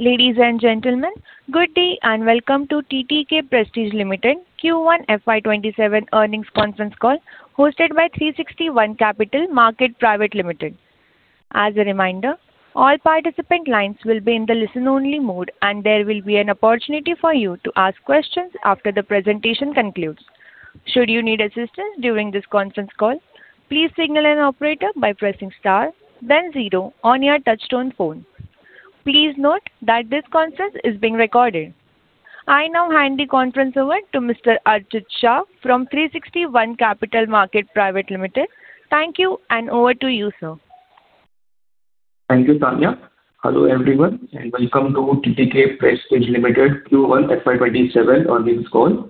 Ladies and gentlemen, good day and welcome to TTK Prestige Limited Q1 FY 2027 earnings conference call hosted by 360 ONE Capital Market Private Limited. As a reminder, all participant lines will be in the listen only mode and there will be an opportunity for you to ask questions after the presentation concludes. Should you need assistance during this conference call, please signal an operator by pressing star then zero on your touchtone phone. Please note that this conference is being recorded. I now hand the conference over to Mr. Archit Shah from 360 ONE Capital Market Private Limited. Thank you, and over to you, sir. Thank you, Operator. Hello everyone, and welcome to TTK Prestige Limited Q1 FY 2027 earnings call.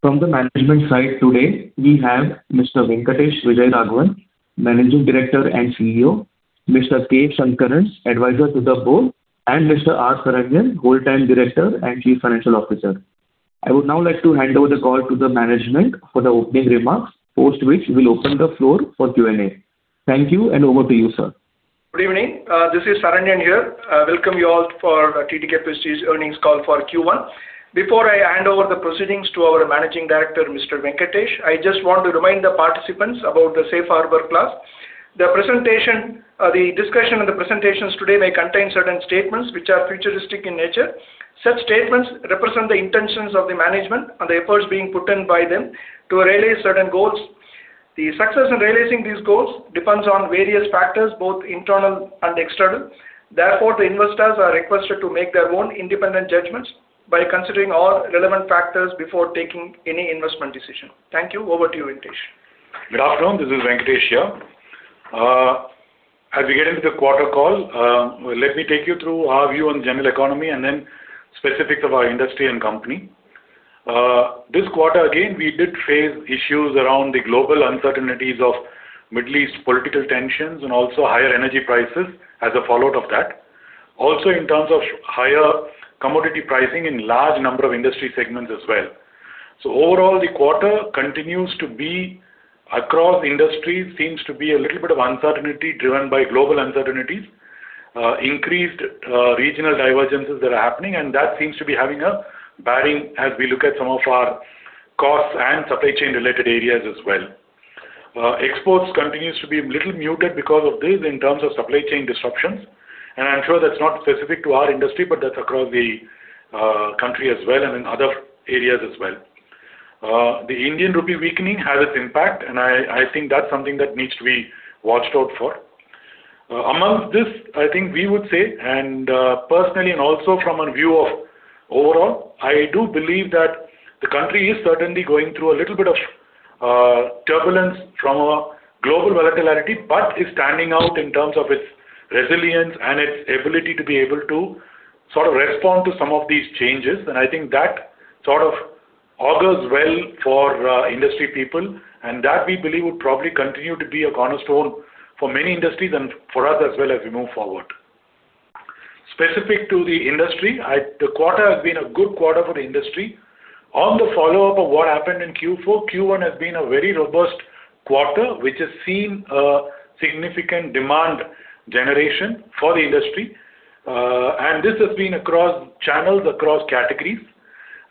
From the management side today, we have Mr. Venkatesh Vijayaraghavan, Managing Director and CEO, Mr. K. Shankaran, Advisor to the Board, and Mr. R. Saranyan, Whole-Time Director and Chief Financial Officer. I would now like to hand over the call to the management for the opening remarks, post which we will open the floor for Q&A. Thank you, and over to you, sir. Good evening. This is Saranyan here. Welcome you all for TTK Prestige earnings call for Q1. Before I hand over the proceedings to our Managing Director, Mr. Venkatesh, I just want to remind the participants about the safe harbor clause. The discussion and the presentations today may contain certain statements which are futuristic in nature. Such statements represent the intentions of the management and the efforts being put in by them to realize certain goals. The success in realizing these goals depends on various factors, both internal and external. The investors are requested to make their own independent judgments by considering all relevant factors before taking any investment decision. Thank you. Over to you, Venkatesh. Good afternoon. This is Venkatesh here. As we get into the quarter call, let me take you through our view on general economy and then specifics of our industry and company. This quarter, again, we did face issues around the global uncertainties of Middle East political tensions and also higher energy prices as a fallout of that. Also in terms of higher commodity pricing in large number of industry segments as well. Overall, the quarter continues to be across industries seems to be a little bit of uncertainty driven by global uncertainties. Increased regional divergences that are happening, and that seems to be having a bearing as we look at some of our costs and supply chain related areas as well. Exports continues to be a little muted because of this in terms of supply chain disruptions. I'm sure that's not specific to our industry, but that's across the country as well and in other areas as well. The Indian rupee weakening has its impact, I think that's something that needs to be watched out for. Amongst this, I think we would say, personally and also from a view of overall, I do believe that the country is certainly going through a little bit of turbulence from a global volatility, but is standing out in terms of its resilience and its ability to be able to sort of respond to some of these changes. I think that sort of augurs well for industry people. That we believe will probably continue to be a cornerstone for many industries and for us as well as we move forward. Specific to the industry, the quarter has been a good quarter for the industry. On the follow-up of what happened in Q4, Q1 has been a very robust quarter, which has seen a significant demand generation for the industry. This has been across channels, across categories.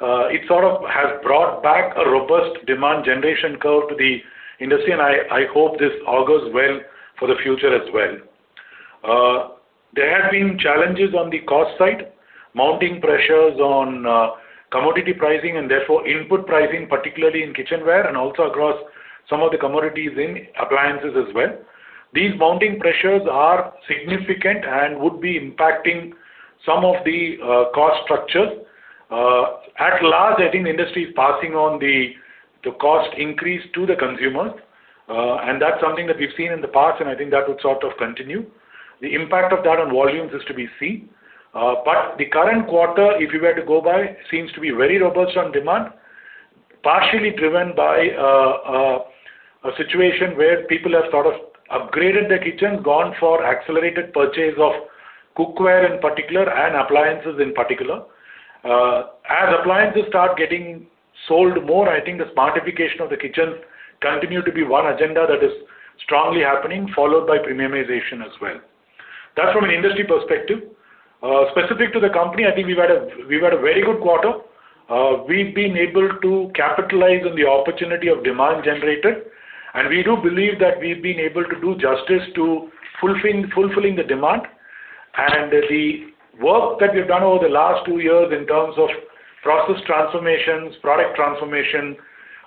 It sort of has brought back a robust demand generation curve to the industry, and I hope this augurs well for the future as well. There have been challenges on the cost side, mounting pressures on commodity pricing and therefore input pricing, particularly in kitchenware and also across some of the commodities in appliances as well. These mounting pressures are significant and would be impacting some of the cost structures. At large, I think the industry is passing on the cost increase to the consumer. That's something that we've seen in the past, and I think that would sort of continue. The impact of that on volumes is to be seen. The current quarter, if you were to go by, seems to be very robust on demand, partially driven by a situation where people have sort of upgraded their kitchens, gone for accelerated purchase of cookware in particular, and appliances in particular. As appliances start getting sold more, I think the smartification of the kitchens continue to be one agenda that is strongly happening, followed by premiumization as well. That's from an industry perspective. Specific to the company, I think we've had a very good quarter. We've been able to capitalize on the opportunity of demand generated, and we do believe that we've been able to do justice to fulfilling the demand. The work that we've done over the last two years in terms of process transformations, product transformation,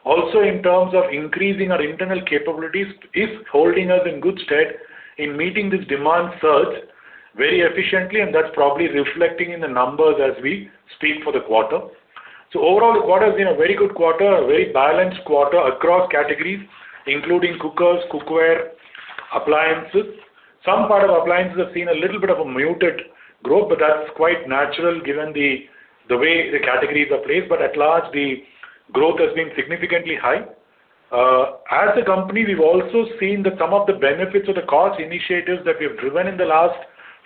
also in terms of increasing our internal capabilities, is holding us in good stead in meeting this demand surge very efficiently and that's probably reflecting in the numbers as we speak for the quarter. Overall, the quarter has been a very good quarter, a very balanced quarter across categories, including cookers, cookware, appliances. Some part of appliances have seen a little bit of a muted growth, that's quite natural given the way the categories are placed. At large, the growth has been significantly high. As a company, we've also seen that some of the benefits of the cost initiatives that we've driven in the last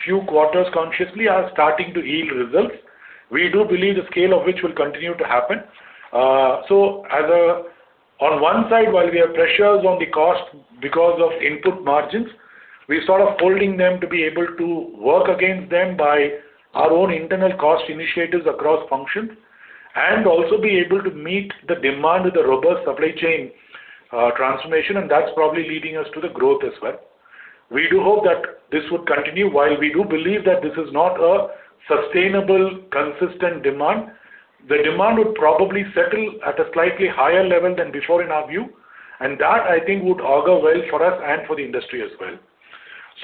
few quarters consciously are starting to yield results. We do believe the scale of which will continue to happen. On one side, while we have pressures on the cost because of input margins, we're sort of holding them to be able to work against them by our own internal cost initiatives across functions, and also be able to meet the demand with a robust supply chain transformation, that's probably leading us to the growth as well. We do hope that this would continue, while we do believe that this is not a sustainable, consistent demand. The demand would probably settle at a slightly higher level than before, in our view, that, I think, would augur well for us and for the industry as well.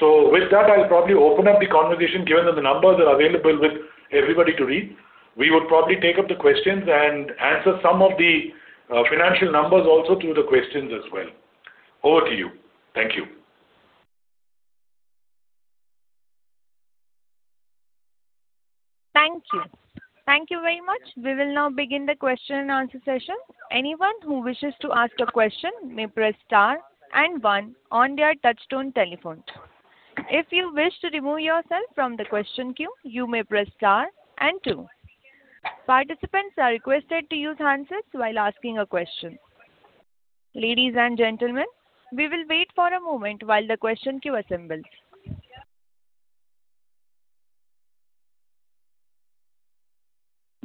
With that, I'll probably open up the conversation, given that the numbers are available with everybody to read. We would probably take up the questions and answer some of the financial numbers also through the questions as well. Over to you. Thank you. Thank you. Thank you very much. We will now begin the question and answer session. Anyone who wishes to ask a question may press star and one on their touchtone telephone. If you wish to remove yourself from the question queue, you may press star and two. Participants are requested to use handsets while asking a question. Ladies and gentlemen, we will wait for a moment while the question queue assembles.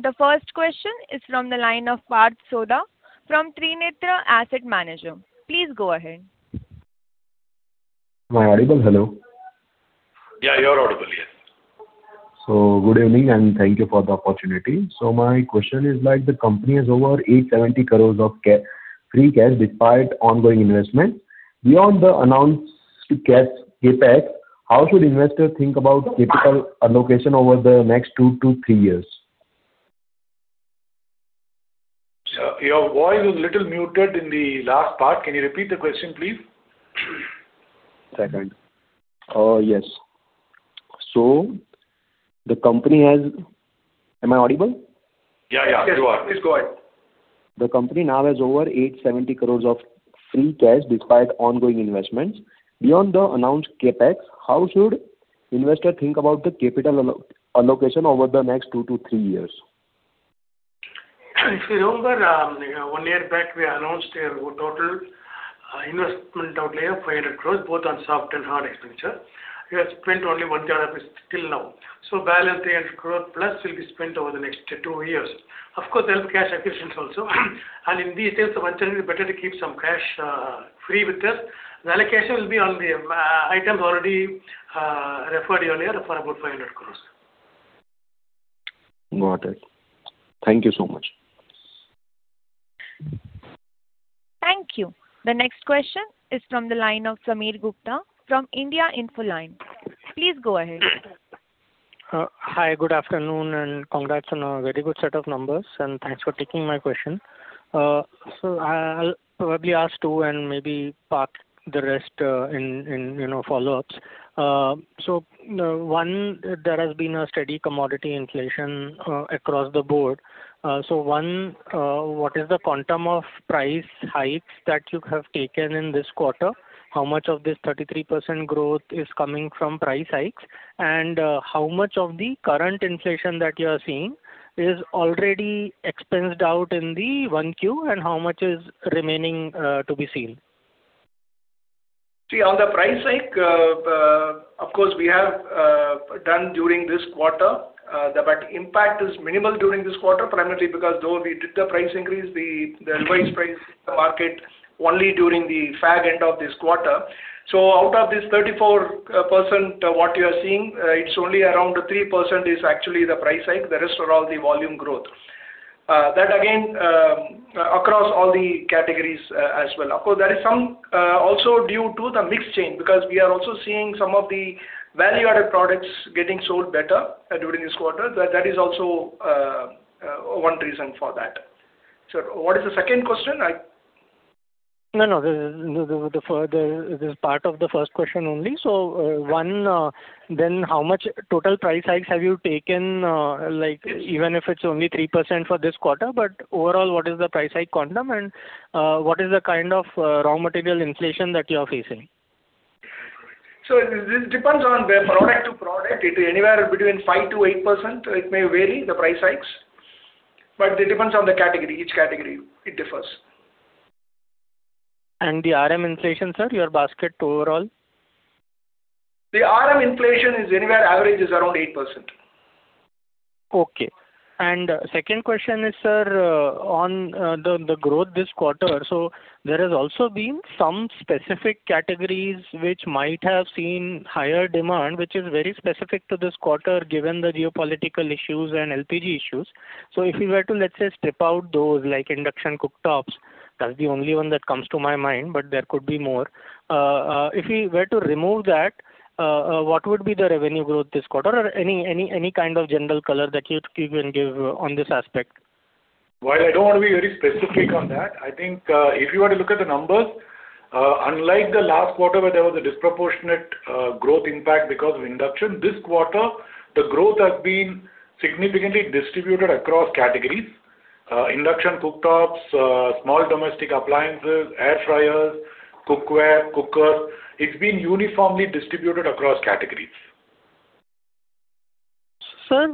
The first question is from the line of Parth Sodha from Trinetra Asset Managers. Please go ahead. Am I audible? Hello. Yeah, you are audible. Yes. Good evening, and thank you for the opportunity. My question is. The company has over 870 crore of free cash, despite ongoing investment. Beyond the announced CapEx, how should investors think about capital allocation over the next two to three years? Sir, your voice was a little muted in the last part. Can you repeat the question, please? One second. Yes. The company has- Am I audible? Yeah. Yes. Go ahead. Please go ahead. The company now has over 870 crore of free cash, despite ongoing investments. Beyond the announced CapEx, how should investors think about the capital allocation over the next two to three years? If you remember, one year back, we announced a total investment outlay of 500 crore, both on soft and hard expenditure. We have spent only 100 crore till now. Balance 300 crore plus will be spent over the next two years. Of course, there's cash acquisitions also. In these times, it's better to keep some cash free with us. The allocation will be on the items already referred earlier for about 500 crore. Got it. Thank you so much. Thank you. The next question is from the line of Sameer Gupta from India Infoline. Please go ahead. Hi, good afternoon, and congrats on a very good set of numbers, and thanks for taking my question. I'll probably ask two and maybe park the rest in follow-ups. One, there has been a steady commodity inflation across the board. One, what is the quantum of price hikes that you have taken in this quarter? How much of this 33% growth is coming from price hikes? And how much of the current inflation that you are seeing is already expensed out in the 1Q, and how much is remaining to be seen? On the price hike, of course, we have done during this quarter. The impact is minimal during this quarter, primarily because though we did the price increase, the revised price in the market only during the fag end of this quarter. Out of this 34% what you are seeing, it's only around 3% is actually the price hike. The rest are all the volume growth. That again, across all the categories as well. Of course, that is also due to the mix change, because we are also seeing some of the value-added products getting sold better during this quarter. That is also one reason for that. Sir, what is the second question? No, this is part of the first question only. One, then how much total price hikes have you taken? Even if it's only 3% for this quarter, overall, what is the price hike quantum, and what is the kind of raw material inflation that you are facing? This depends on the product to product. It is anywhere between 5%-8%. It may vary, the price hikes. It depends on the category. Each category it differs. The RM inflation, sir, your basket overall? The RM inflation is anywhere average is around 8%. Okay. Second question is, sir, on the growth this quarter. There has also been some specific categories which might have seen higher demand, which is very specific to this quarter, given the geopolitical issues and LPG issues. If we were to, let's say, strip out those like induction cooktops, that's the only one that comes to my mind, but there could be more. If we were to remove that, what would be the revenue growth this quarter? Or any kind of general color that you can give on this aspect? While I don't want to be very specific on that, I think if you were to look at the numbers, unlike the last quarter where there was a disproportionate growth impact because of induction, this quarter, the growth has been significantly distributed across categories. Induction cooktops, small domestic appliances, air fryers, cookware, cookers. It's been uniformly distributed across categories. Sir,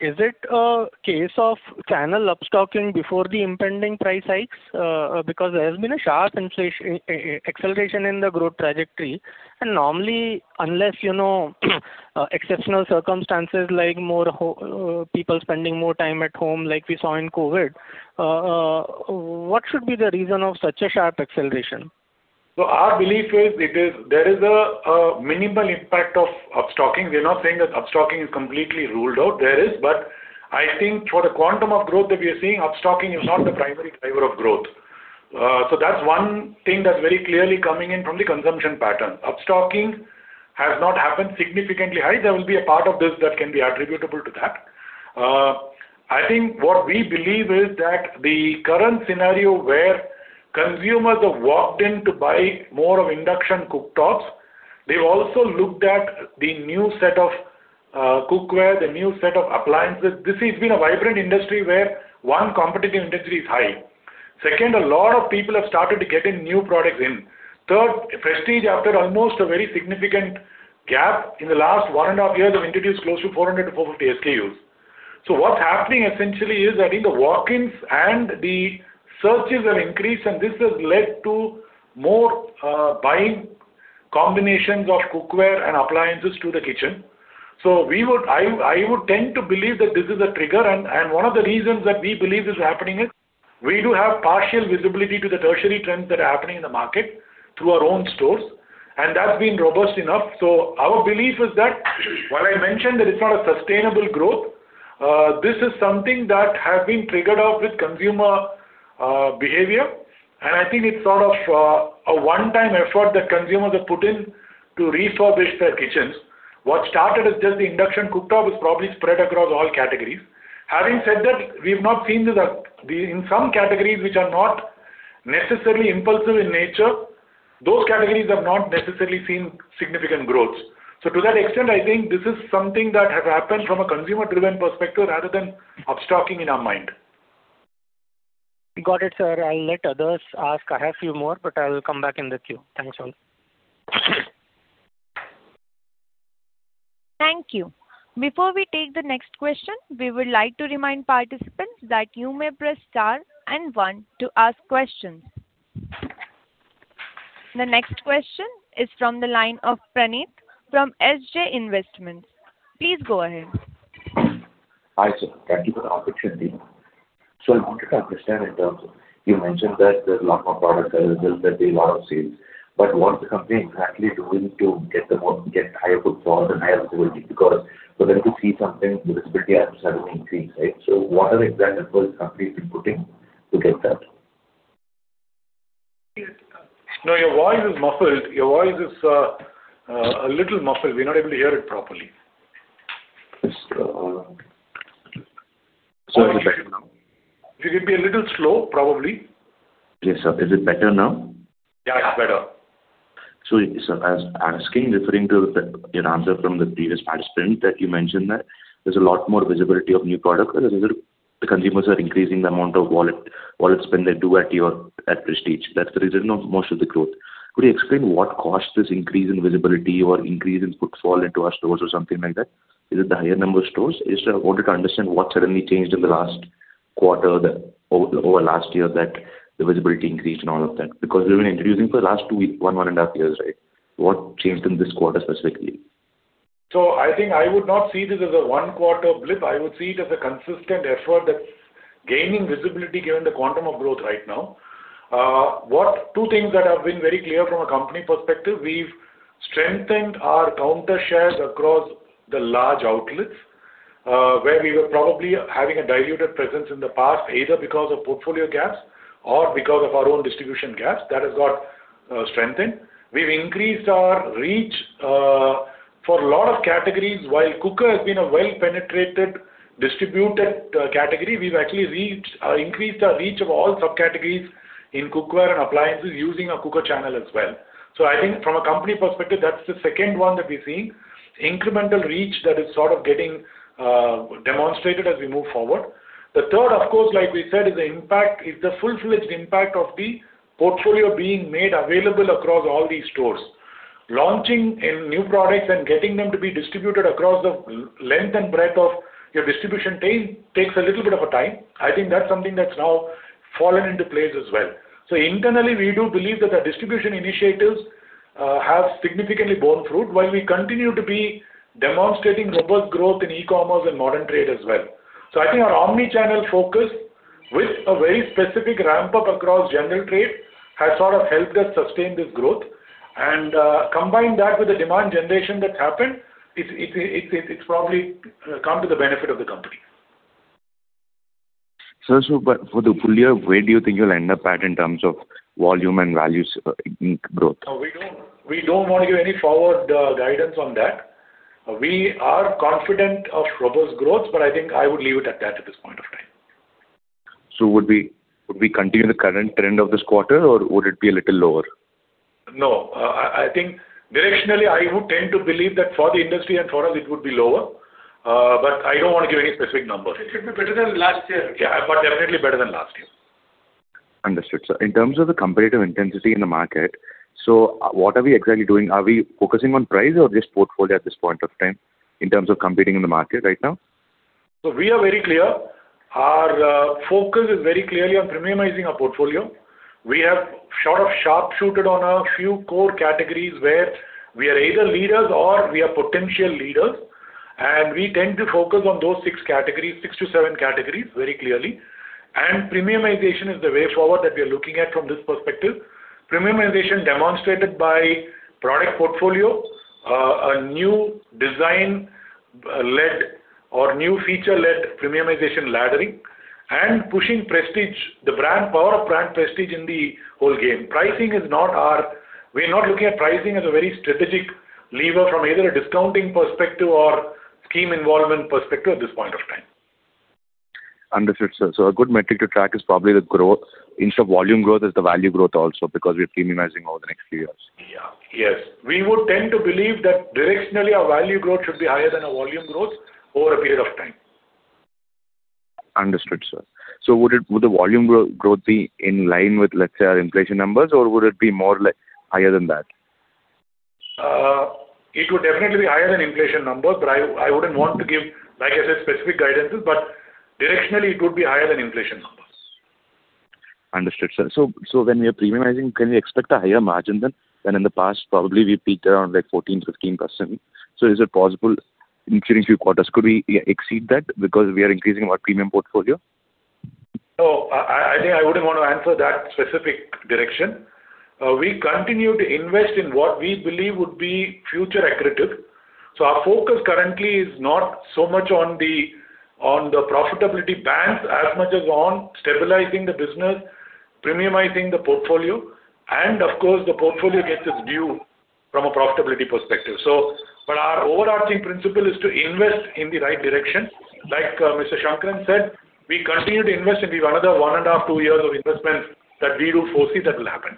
is it a case of channel upstocking before the impending price hikes? There has been a sharp acceleration in the growth trajectory, and normally, unless exceptional circumstances like more people spending more time at home like we saw in COVID, what should be the reason of such a sharp acceleration? Our belief is there is a minimal impact of upstocking. We're not saying that upstocking is completely ruled out. There is, but I think for the quantum of growth that we are seeing, upstocking is not the primary driver of growth. That's one thing that's very clearly coming in from the consumption pattern. Upstocking has not happened significantly high. There will be a part of this that can be attributable to that. I think what we believe is that the current scenario where consumers have walked in to buy more of induction cooktops, they've also looked at the new set of cookware, the new set of appliances. This has been a vibrant industry where, one, competitive intensity is high. Second, a lot of people have started getting new products in. Third, Prestige, after almost a very significant gap in the last one and a half years, have introduced close to 400 to 450 SKUs. What's happening essentially is that in the walk-ins and the searches have increased, and this has led to more buying combinations of cookware and appliances to the kitchen. I would tend to believe that this is a trigger, and one of the reasons that we believe is happening is we do have partial visibility to the tertiary trends that are happening in the market through our own stores, and that's been robust enough. Our belief is that while I mentioned that it's not a sustainable growth, this is something that has been triggered off with consumer behavior. I think it's sort of a one-time effort that consumers have put in to refurbish their kitchens. What started as just the induction cooktop is probably spread across all categories. Having said that, we've not seen in some categories which are not necessarily impulsive in nature, those categories have not necessarily seen significant growth. To that extent, I think this is something that has happened from a consumer-driven perspective rather than upstocking in our mind. Got it, sir. I'll let others ask. I have a few more, but I will come back in the queue. Thanks a lot. Thank you. Before we take the next question, we would like to remind participants that you may press star and one to ask questions. The next question is from the line of Praneeth from SJ Investments. Please go ahead. Hi, sir. Thank you for the opportunity. I wanted to understand in terms of, you mentioned that there's a lot more products available, that there are a lot of sales. What the company exactly doing to get the more, get higher footfall and higher visibility? Because for them to see something, the visibility has to suddenly increase, right? What are the examples company's been putting to get that? No, your voice is muffled. Your voice is a little muffled. We're not able to hear it properly. Sorry. You could be a little slow, probably. Yes, sir. Is it better now? Yeah, it's better. I was asking, referring to your answer from the previous participant, that you mentioned that there's a lot more visibility of new products. The consumers are increasing the amount of wallet spend they do at Prestige. That's the reason of most of the growth. Could you explain what caused this increase in visibility or increase in footfall into our stores or something like that? Is it the higher number of stores? I wanted to understand what suddenly changed in the last quarter, over last year that the visibility increased and all of that. Because we've been introducing for the last one and a half years, right? What changed in this quarter specifically? I think I would not see this as a one-quarter blip. I would see it as a consistent effort that's gaining visibility given the quantum of growth right now. Two things that have been very clear from a company perspective, we've strengthened our counter shares across the large outlets, where we were probably having a diluted presence in the past, either because of portfolio gaps or because of our own distribution gaps. That has got strengthened. We've increased our reach for a lot of categories. While cooker has been a well-penetrated distributed category, we've actually increased our reach of all subcategories in cookware and appliances using a cooker channel as well. I think from a company perspective, that's the second one that we're seeing. Incremental reach that is sort of getting demonstrated as we move forward. The third, of course, like we said, is the full-fledged impact of the portfolio being made available across all these stores. Launching new products and getting them to be distributed across the length and breadth of your distribution team takes a little bit of a time. I think that's something that's now fallen into place as well. Internally, we do believe that the distribution initiatives have significantly borne fruit while we continue to be demonstrating robust growth in e-commerce and modern trade as well. I think our omni-channel focus with a very specific ramp-up across general trade has sort of helped us sustain this growth. Combine that with the demand generation that's happened, it's probably come to the benefit of the company. Sir, for the full year, where do you think you'll end up at in terms of volume and values growth? We don't want to give any forward guidance on that. We are confident of robust growth, I think I would leave it at that at this point of time. Would we continue the current trend of this quarter, or would it be a little lower? No. I think directionally I would tend to believe that for the industry and for us it would be lower. I don't want to give any specific numbers. It should be better than last year. Yeah, definitely better than last year. Understood, sir. In terms of the competitive intensity in the market, what are we exactly doing? Are we focusing on price or just portfolio at this point of time in terms of competing in the market right now? We are very clear. Our focus is very clearly on premiumizing our portfolio. We have sort of sharp-shooted on a few core categories where we are either leaders or we are potential leaders, and we tend to focus on those six to seven categories very clearly. Premiumization is the way forward that we are looking at from this perspective. Premiumization demonstrated by product portfolio, a new design-led or new feature-led premiumization laddering, and pushing Prestige, the brand power of brand Prestige in the whole game. We're not looking at pricing as a very strategic lever from either a discounting perspective or scheme involvement perspective at this point of time. Understood, sir. A good metric to track is probably the growth. Instead of volume growth, is the value growth also because we're premiumizing over the next few years? Yeah. Yes. We would tend to believe that directionally our value growth should be higher than our volume growth over a period of time. Understood, sir. Would the volume growth be in line with, let's say, our inflation numbers? Or would it be more higher than that? It would definitely be higher than inflation numbers, but I wouldn't want to give, like I said, specific guidances, but directionally it would be higher than inflation numbers. Understood, sir. When we are premiumizing, can we expect a higher margin than in the past? Probably we peaked around 14%-15%. Is it possible in few quarters could we exceed that because we are increasing our premium portfolio? No, I think I wouldn't want to answer that specific direction. We continue to invest in what we believe would be future accretive. Our focus currently is not so much on the profitability bands as much as on stabilizing the business, premiumizing the portfolio. Of course, the portfolio gets its due from a profitability perspective. Our overarching principle is to invest in the right direction. Like Mr. Shankaran said, we continue to invest and we have another one and a half, two years of investment that we do foresee that will happen.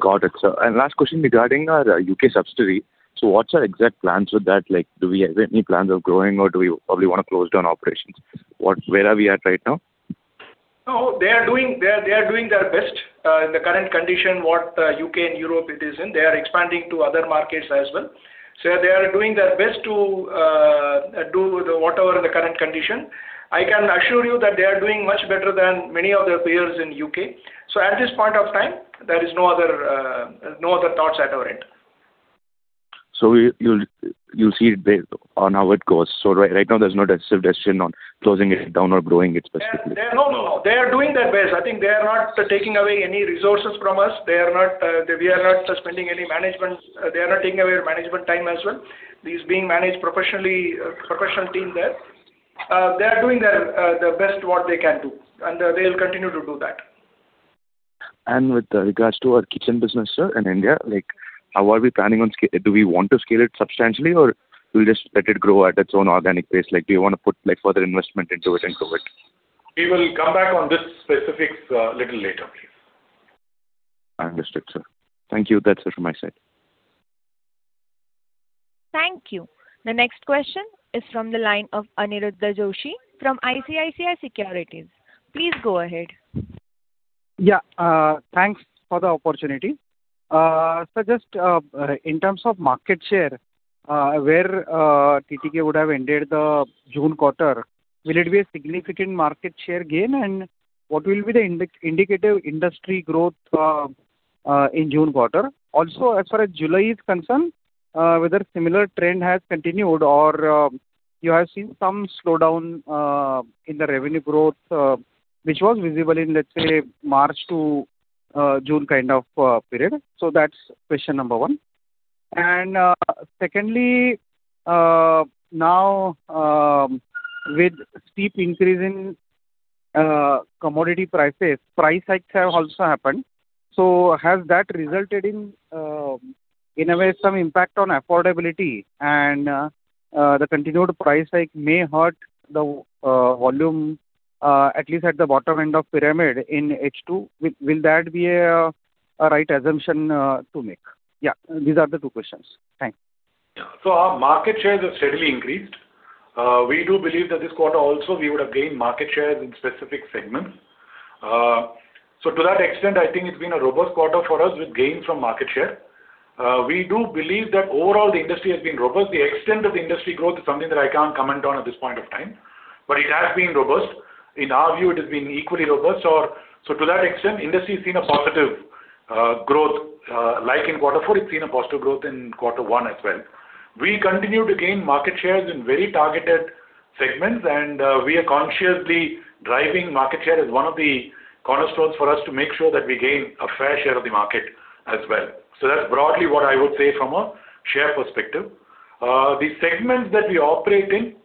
Got it, sir. Last question regarding our U.K. subsidiary. What's our exact plans with that? Do we have any plans of growing or do we probably want to close down operations? Where are we at right now? No, they are doing their best. In the current condition, what U.K. and Europe it is in, they are expanding to other markets as well. They are doing their best to do whatever the current condition. I can assure you that they are doing much better than many of their peers in U.K. At this point of time, there is no other thoughts at our end. You'll see it based on how it goes. Right now there's no decisive decision on closing it down or growing it specifically. No. They are doing their best. I think they are not taking away any resources from us. They are not suspending any management. They are not taking away our management time as well. This is being managed professionally, professional team there. They are doing their best what they can do, and they'll continue to do that. With regards to our kitchen business, sir, in India, how are we planning on? Do we want to scale it substantially or we'll just let it grow at its own organic pace? Do you want to put further investment into it and grow it? We will come back on this specifics a little later, please. Understood, sir. Thank you. That's it from my side. Thank you. The next question is from the line of Aniruddha Joshi from ICICI Securities. Please go ahead. Yeah. Thanks for the opportunity. Sir, just in terms of market share, where TTK would have ended the June quarter, will it be a significant market share gain, and what will be the indicative industry growth in June quarter? Also, as far as July is concerned, whether similar trend has continued or you have seen some slowdown in the revenue growth, which was visible in, let's say, March to June kind of period. That's question number one. Secondly, now with steep increase in commodity prices, price hikes have also happened. Has that resulted in a way some impact on affordability and the continued price hike may hurt the volume, at least at the bottom end of pyramid in H2? Will that be a right assumption to make? Yeah, these are the two questions. Thanks. Yeah. Our market shares have steadily increased. We do believe that this quarter also we would have gained market shares in specific segments. To that extent, I think it's been a robust quarter for us with gains from market share. We do believe that overall the industry has been robust. The extent of industry growth is something that I can't comment on at this point of time. It has been robust. In our view, it has been equally robust. To that extent, industry has seen a positive growth, like in quarter four, it's seen a positive growth in quarter one as well. We continue to gain market shares in very targeted segments, and we are consciously driving market share as one of the cornerstones for us to make sure that we gain a fair share of the market as well. That's broadly what I would say from a share perspective. The segments that we operate in,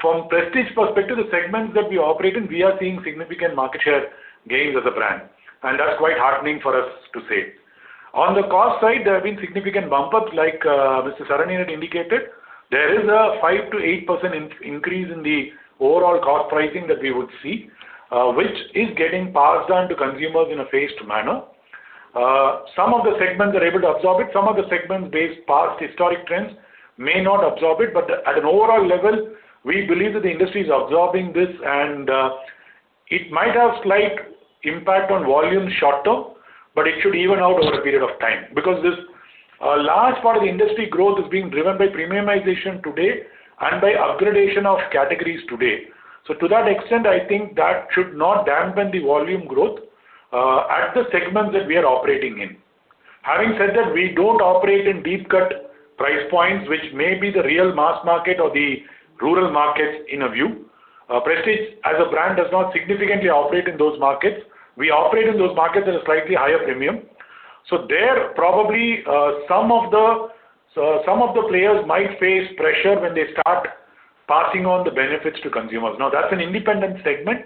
from Prestige perspective, we are seeing significant market share gains as a brand, and that's quite heartening for us to say. On the cost side, there have been significant bump ups like Mr. Saranyan had indicated. There is a 5%-8% increase in the overall cost pricing that we would see, which is getting passed on to consumers in a phased manner. Some of the segments are able to absorb it. Some of the segments, based past historic trends, may not absorb it. At an overall level, we believe that the industry is absorbing this, and it might have slight impact on volume short-term, but it should even out over a period of time. This large part of the industry growth is being driven by premiumization today and by upgradation of categories today. To that extent, I think that should not dampen the volume growth at the segments that we are operating in. Having said that, we don't operate in deep cut price points, which may be the real mass market or the rural markets in a view. Prestige as a brand does not significantly operate in those markets. We operate in those markets at a slightly higher premium. There probably some of the players might face pressure when they start passing on the benefits to consumers. Now, that's an independent segment.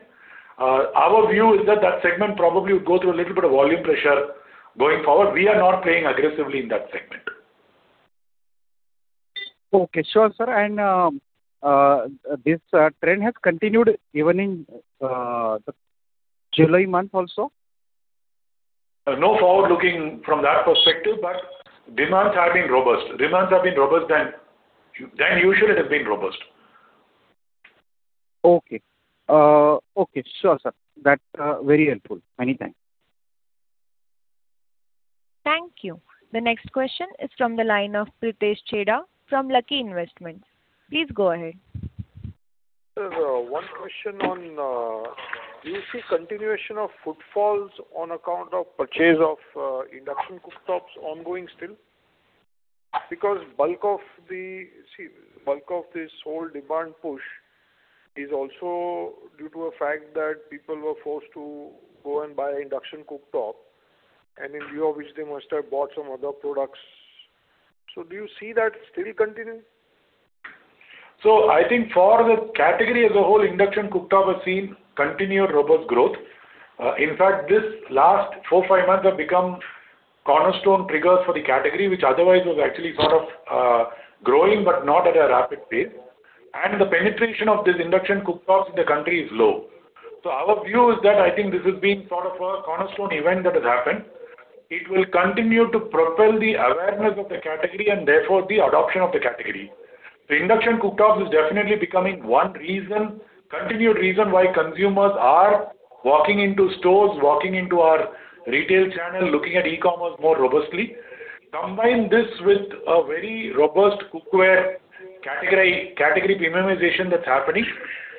Our view is that segment probably would go through a little bit of volume pressure going forward. We are not playing aggressively in that segment. Okay, sure, sir. This trend has continued even in July month also? No forward looking from that perspective, demands have been robust. Demands have been robust than usual it has been robust. Okay. Sure, sir. That's very helpful. Many thanks. Thank you. The next question is from the line of Pritesh Chheda from Lucky Investments. Please go ahead. Sir, one question on, do you see continuation of footfalls on account of purchase of induction cooktops ongoing still? Bulk of this whole demand push is also due to a fact that people were forced to go and buy induction cooktop, and in view of which they must have bought some other products. Do you see that still continuing? I think for the category as a whole, induction cooktop has seen continued robust growth. In fact, this last four, five months have become cornerstone triggers for the category, which otherwise was actually sort of growing, but not at a rapid pace. The penetration of this induction cooktops in the country is low. Our view is that I think this has been sort of a cornerstone event that has happened. It will continue to propel the awareness of the category and therefore the adoption of the category. Induction cooktops is definitely becoming one continued reason why consumers are walking into stores, walking into our retail channel, looking at e-commerce more robustly. Combine this with a very robust cookware category premiumization that's happening.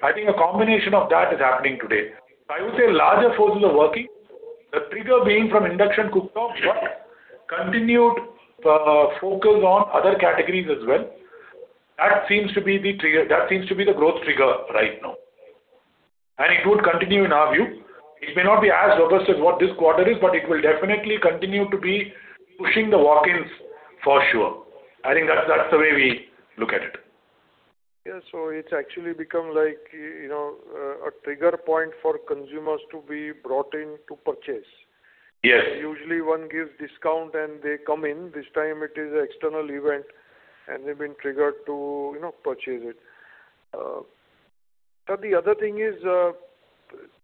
I think a combination of that is happening today. I would say larger forces are working, the trigger being from induction cooktop, continued focus on other categories as well. That seems to be the growth trigger right now. It would continue, in our view. It may not be as robust as what this quarter is, but it will definitely continue to be pushing the walk-ins for sure. I think that's the way we look at it. Yeah. It's actually become like a trigger point for consumers to be brought in to purchase. Yes. Usually one gives discount and they come in. This time it is an external event, and they've been triggered to purchase it. Sir, the other thing is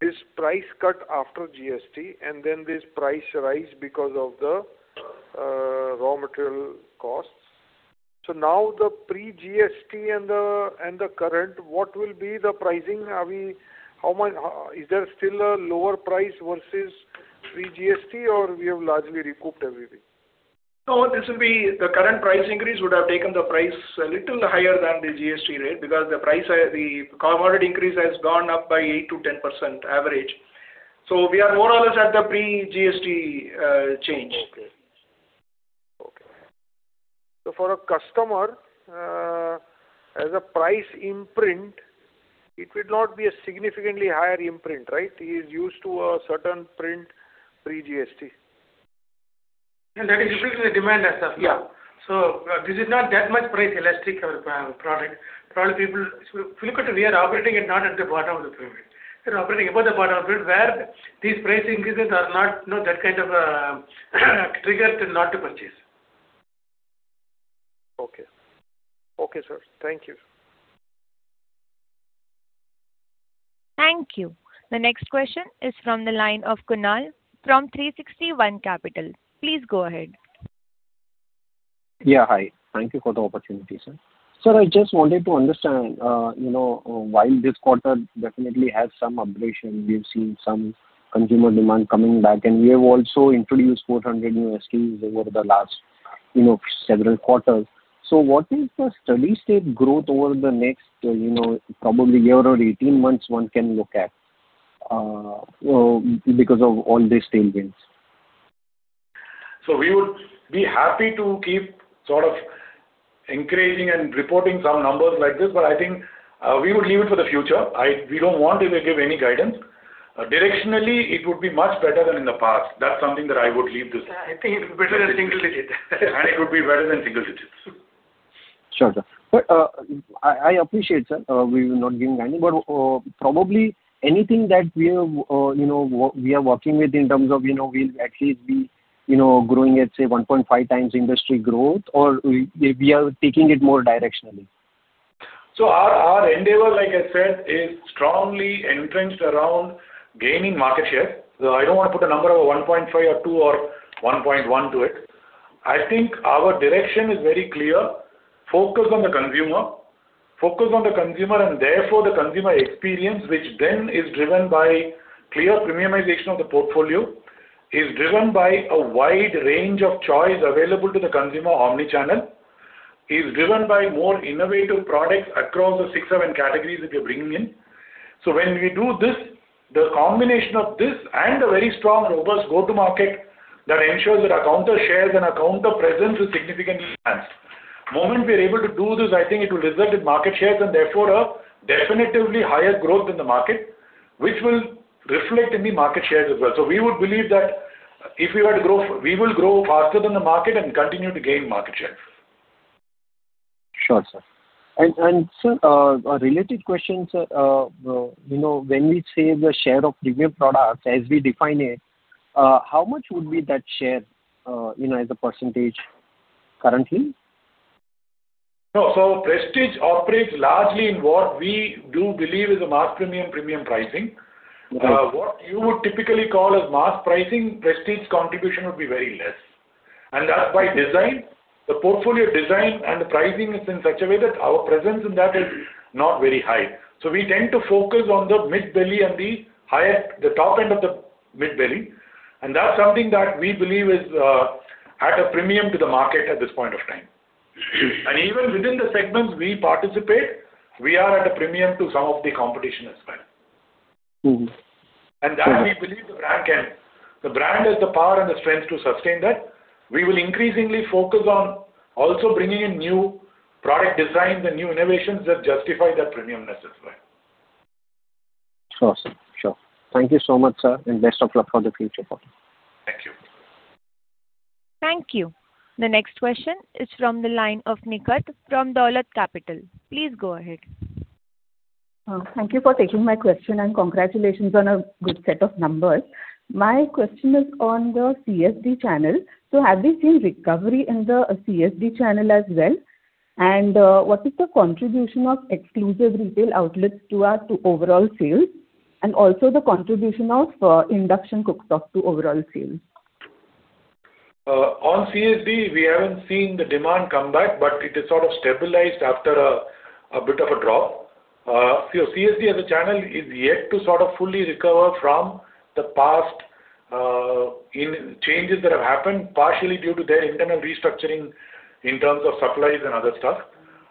this price cut after GST, and then this price rise because of the raw material costs. Now the pre-GST and the current, what will be the pricing? Is there still a lower price versus pre-GST, or we have largely recouped everything? No, the current price increase would have taken the price a little higher than the GST rate because the commodity increase has gone up by 8%-10% average. We are more or less at the pre-GST change. Okay. For a customer, as a price imprint, it would not be a significantly higher imprint, right? He is used to a certain price pre-GST. That is usually the demand as of now. Yeah. This is not that much price elastic a product. If you look at it, we are operating not at the bottom of the pyramid. We are operating above the bottom of the pyramid, where these price increases are not that kind of a trigger to not to purchase. Okay. Okay, sir. Thank you. Thank you. The next question is from the line of Kunal from 360 ONE Capital. Please go ahead. Yeah, hi. Thank you for the opportunity, sir. Sir, I just wanted to understand, while this quarter definitely has some updration, we've seen some consumer demand coming back, we have also introduced 400 new SKUs over the last several quarters. What is the steady state growth over the next probably year or 18 months one can look at because of all these tailwinds? We would be happy to keep sort of encouraging and reporting some numbers like this, I think we would leave it for the future. We don't want to give any guidance. Directionally, it would be much better than in the past. That's something that I would leave to. I think it's better than single digit. It would be better than single digits. Sure, sir. I appreciate, sir, you not giving any, but probably anything that we are working with in terms of we'll at least be growing at, say, 1.5x industry growth, or we are taking it more directionally? Our endeavor, like I said, is strongly entrenched around gaining market share. I don't want to put a number over 1.5x or 2x or 1.1x to it. I think our direction is very clear, focused on the consumer, and therefore the consumer experience, which then is driven by clear premiumization of the portfolio, is driven by a wide range of choice available to the consumer omni-channel, is driven by more innovative products across the six, seven categories that we are bringing in. When we do this, the combination of this and a very strong, robust go-to market that ensures that our counter shares and account of presence is significantly enhanced. Moment we are able to do this, I think it will result in market shares and therefore a definitively higher growth in the market, which will reflect in the market shares as well. We would believe that if we were to grow, we will grow faster than the market and continue to gain market share. Sure, sir. Sir, a related question, sir. When we say the share of premium products as we define it, how much would be that share as a percentage currently? Prestige operates largely in what we do believe is a mass premium pricing. Okay. What you would typically call as mass pricing, Prestige contribution would be very less. That's by design. The portfolio design and the pricing is in such a way that our presence in that is not very high. We tend to focus on the mid-belly and the top end of the mid-belly. That's something that we believe is at a premium to the market at this point of time. Even within the segments we participate, we are at a premium to some of the competition as well. That we believe the brand has the power and the strength to sustain that. We will increasingly focus on also bringing in new product designs and new innovations that justify that premium-ness as well. Sure, sir. Sure. Thank you so much, sir, and best of luck for the future quarter. Thank you. Thank you. The next question is from the line of Nikhar from Dolat Capital. Please go ahead. Thank you for taking my question and congratulations on a good set of numbers. My question is on the CSD channel. Have we seen recovery in the CSD channel as well? What is the contribution of exclusive retail outlets to our overall sales? Also the contribution of induction cooktops to overall sales. On CSD, we haven't seen the demand come back, but it is sort of stabilized after a bit of a drop. See, CSD as a channel is yet to sort of fully recover from the past changes that have happened, partially due to their internal restructuring in terms of supplies and other stuff.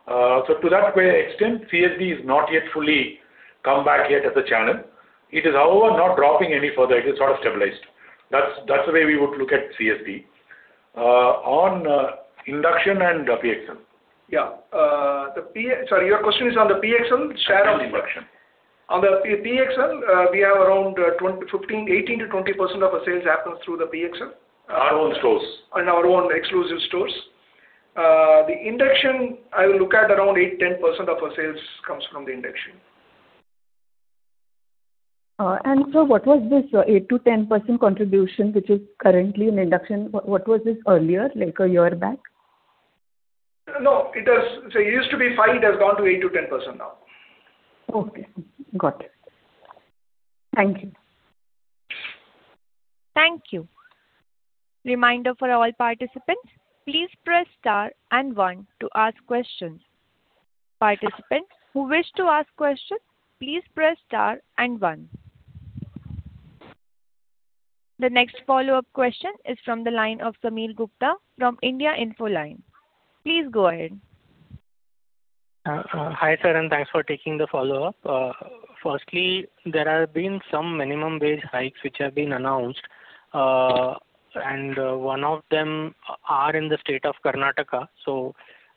To that great extent, CSD is not yet fully come back yet as a channel. It is, however, not dropping any further. It is sort of stabilized. That's the way we would look at CSD. On induction and PXL. Sorry, your question is on the PXL share of induction? Induction. On the PXL, we have around 18%-20% of our sales happens through the PXL. Our own stores. Our own exclusive stores. The induction, I will look at around 8%-10% of our sales comes from the induction. Sir, what was this 8%-10% contribution, which is currently in induction? What was this earlier, like a year back? No, it used to be 5%, it has gone to 8%-10% now. Okay, got it. Thank you. Thank you. Reminder for all participants, please press star and one to ask questions. Participants who wish to ask questions, please press star and one. The next follow-up question is from the line of Sameer Gupta from India Infoline. Please go ahead. Hi, sir, and thanks for taking the follow-up. Firstly, there have been some minimum wage hikes which have been announced, and one of them are in the state of Karnataka.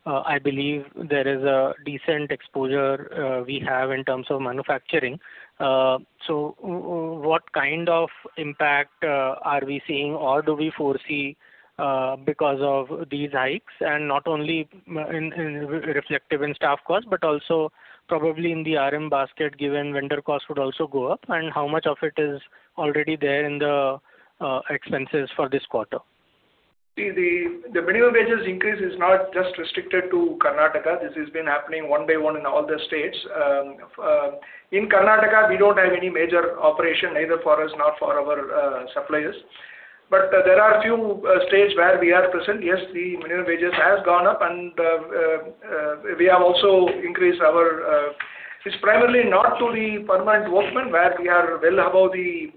I believe there is a decent exposure we have in terms of manufacturing. What kind of impact are we seeing or do we foresee because of these hikes and not only reflective in staff cost, but also probably in the RM basket, given vendor cost would also go up, and how much of it is already there in the expenses for this quarter? The minimum wages increase is not just restricted to Karnataka. This has been happening one by one in all the states. In Karnataka, we don't have any major operation either for us nor for our suppliers. There are a few states where we are present. Yes, the minimum wages have gone up. It's primarily not to the permanent workmen where we are well above the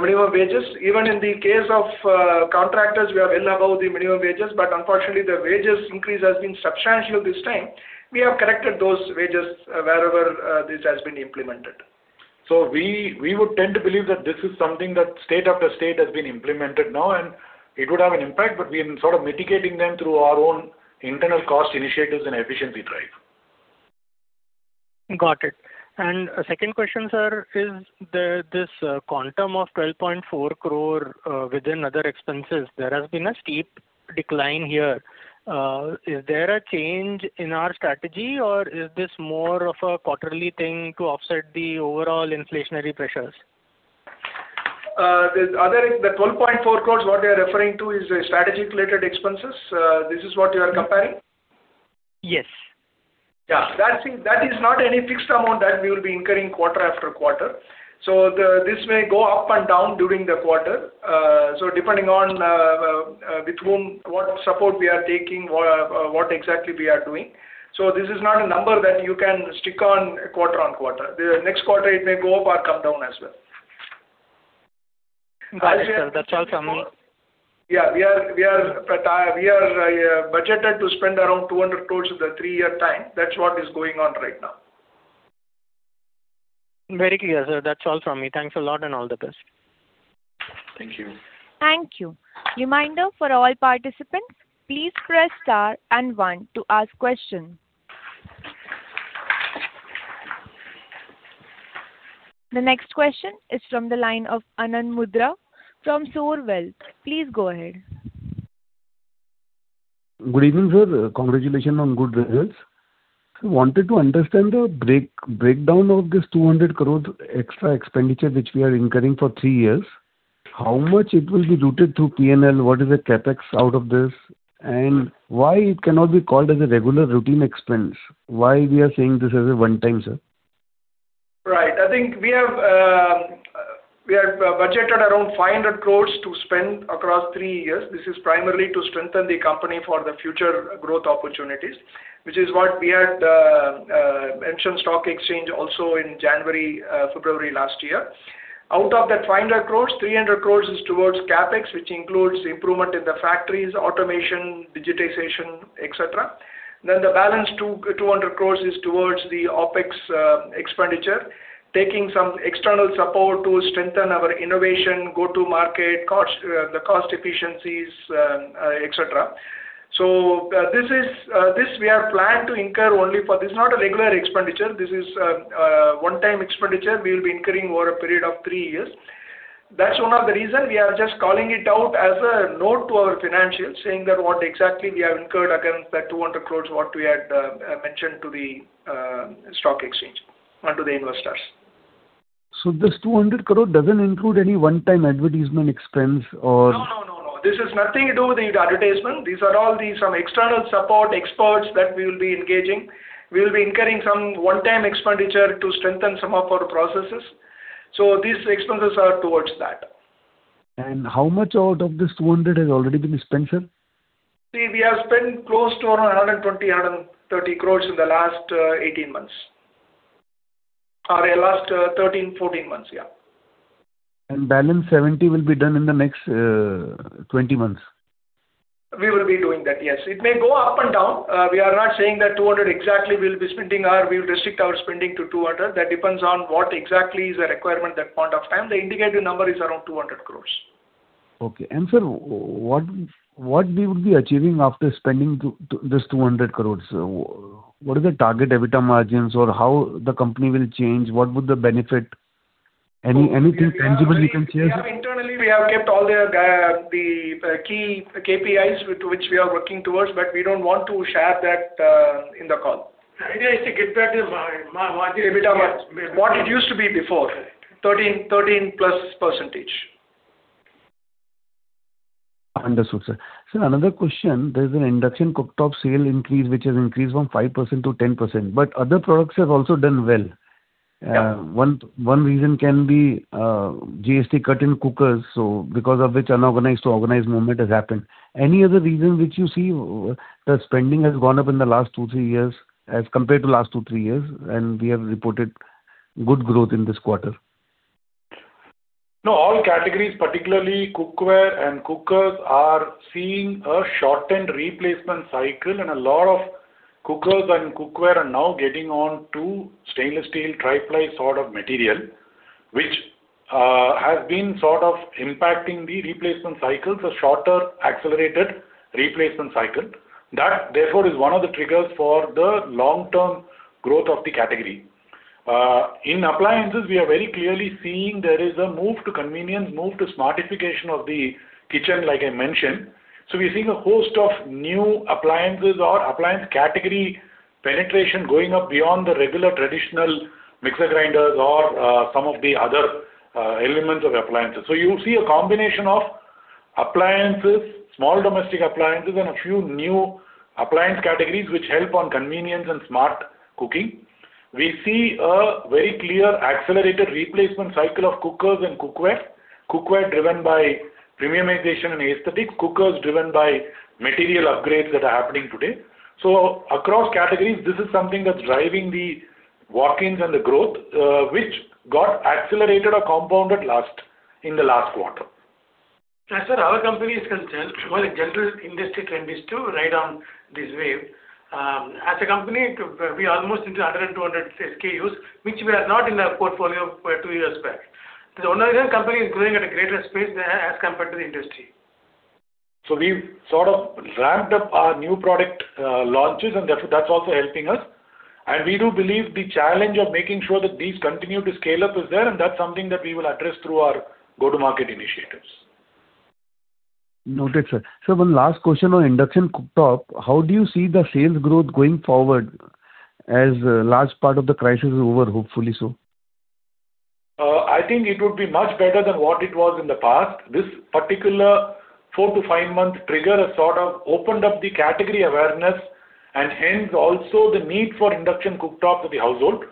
minimum wages. Even in the case of contractors, we are well above the minimum wages. Unfortunately the wages increase has been substantial this time. We have corrected those wages wherever this has been implemented. We would tend to believe that this is something that state after state has been implemented now, and it would have an impact, but we have been sort of mitigating them through our own internal cost initiatives and efficiency drive. Got it. Second question, sir, is this quantum of 12.4 crore within other expenses. There has been a steep decline here. Is there a change in our strategy or is this more of a quarterly thing to offset the overall inflationary pressures? The other is the 12.4 crore, what they're referring to is strategy-related expenses. This is what you are comparing? Yes. Yeah. That is not any fixed amount that we will be incurring quarter after quarter. This may go up and down during the quarter, depending on what support we are taking, what exactly we are doing. This is not a number that you can stick on quarter on quarter. The next quarter it may go up or come down as well. Got it, sir. That's all from me. We are budgeted to spend around 200 crore in the three-year time. That's what is going on right now. Very clear, sir. That's all from me. Thanks a lot and all the best. Thank you. Thank you. Reminder for all participants, please press star and one to ask questions. The next question is from the line of Anand Mundra from Soar Wealth. Please go ahead. Good evening, sir. Congratulations on good results. I wanted to understand the breakdown of this 200 crore extra expenditure which we are incurring for three years. How much it will be routed through P&L? What is the CapEx out of this? Why it cannot be called as a regular routine expense? Why we are saying this as a one-time, sir? Right. I think we have budgeted around 500 crore to spend across three years. This is primarily to strengthen the company for the future growth opportunities, which is what we had mentioned stock exchange also in January, February last year. Out of that 500 crore, 300 crore is towards CapEx, which includes improvement in the factories, automation, digitization, et cetera. The balance 200 crore is towards the OpEx expenditure. Taking some external support to strengthen our innovation, go to market, the cost efficiencies, et cetera. This we have planned to incur only for this. This is not a regular expenditure. This is a one-time expenditure we will be incurring over a period of three years. That's one of the reason we are just calling it out as a note to our financials, saying that what exactly we have incurred against that 200 crore, what we had mentioned to the stock exchange and to the investors. This 200 crore doesn't include any one-time advertisement expense or. No. This has nothing to do with advertisement. These are all the external support experts that we will be engaging. We will be incurring some one-time expenditure to strengthen some of our processes. These expenses are towards that. How much out of this 200 has already been spent, sir? We have spent close to around 120, 130 crore in the last 18 months. The last 13, 14 months. Balance 70 will be done in the next 20 months? We will be doing that, yes. It may go up and down. We are not saying that 200 crore exactly we'll be spending or we'll restrict our spending to 200 crore. That depends on what exactly is the requirement that point of time. The indicative number is around 200 crore. Sir, what we would be achieving after spending this 200 crore? What is the target EBITDA margins or how the company will change? What would the benefit? Anything tangible you can share, sir? Internally, we have kept all the key KPIs to which we are working towards. We don't want to share that in the call. The idea is to get back to margins. EBITDA margins. What it used to be before. 13%+. Understood, sir. Sir, another question. There's an induction cooktop sale increase which has increased from 5% to 10%, other products have also done well. One reason can be GST cut in cookers, because of which unorganized to organized movement has happened. Any other reason which you see the spending has gone up as compared to last two, three years, we have reported good growth in this quarter? No, all categories, particularly cookware and cookers are seeing a shortened replacement cycle and a lot of cookers and cookware are now getting on to stainless steel tri-ply sort of material, which has been sort of impacting the replacement cycles, a shorter accelerated replacement cycle. That therefore is one of the triggers for the long-term growth of the category. In appliances, we are very clearly seeing there is a move to convenience, move to smartification of the kitchen, like I mentioned. We're seeing a host of new appliances or appliance category penetration going up beyond the regular traditional mixer grinders or some of the other elements of appliances. You see a combination of appliances, small domestic appliances and a few new appliance categories which help on convenience and smart cooking. We see a very clear accelerated replacement cycle of cookers and cookware. Cookware driven by premiumization and aesthetics, cookers driven by material upgrades that are happening today. Across categories, this is something that's driving the walk-ins and the growth, which got accelerated or compounded in the last quarter. As far as our company is concerned, well, the general industry trend is to ride on this wave. As a company, we are almost into 100 and 200 SKUs, which were not in our portfolio two years back. One of the reasons company is growing at a greater pace as compared to the industry. We've sort of ramped up our new product launches, and that's also helping us. We do believe the challenge of making sure that these continue to scale up is there, and that's something that we will address through our go-to market initiatives. Noted, sir. Sir, one last question on induction cooktop. How do you see the sales growth going forward as large part of the crisis is over, hopefully so? I think it would be much better than what it was in the past. This particular four to five-month trigger has sort of opened up the category awareness, and hence also the need for induction cooktops with the household.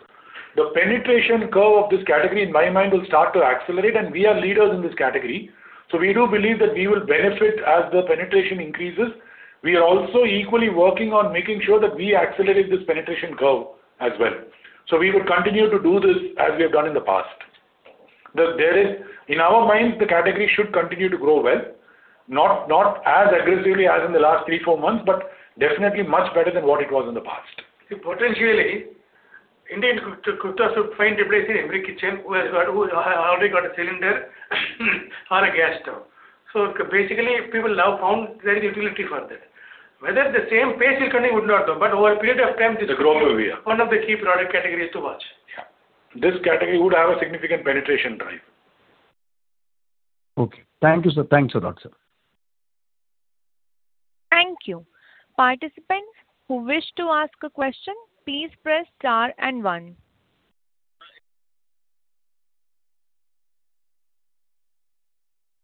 The penetration curve of this category, in my mind, will start to accelerate, and we are leaders in this category. We do believe that we will benefit as the penetration increases. We are also equally working on making sure that we accelerate this penetration curve as well. We would continue to do this as we have done in the past. In our minds, the category should continue to grow well, not as aggressively as in the last three, four months, but definitely much better than what it was in the past. Potentially, induction cooktops should find a place in every kitchen who has already got a cylinder or a gas stove. Basically, people now found there is utility for that. Whether the same pace will continue would not know, but over a period of time. It'll grow over, yeah It is one of the key product categories to watch. Yeah. This category would have a significant penetration drive. Okay. Thank you, sir. Thanks a lot, sir. Thank you. Participants who wish to ask a question, please press star and one.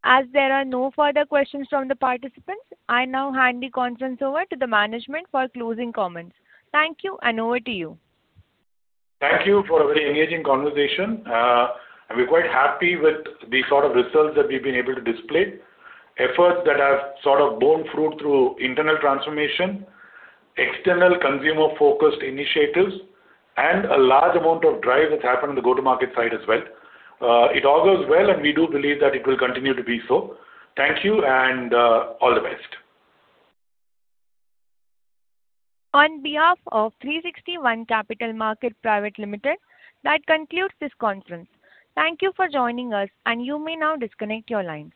As there are no further questions from the participants, I now hand the conference over to the management for closing comments. Thank you, and over to you. Thank you for a very engaging conversation. We're quite happy with the sort of results that we've been able to display. Efforts that have sort of borne fruit through internal transformation, external consumer-focused initiatives, and a large amount of drive that's happened on the go-to-market side as well. It all goes well, and we do believe that it will continue to be so. Thank you and all the best. On behalf of 360 ONE Capital Market Private Limited, that concludes this conference. Thank you for joining us, and you may now disconnect your lines.